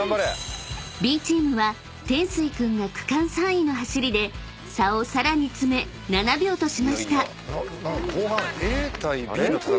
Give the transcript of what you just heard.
［Ｂチームはてんすい君が区間３位の走りで差をさらに詰め７秒としました］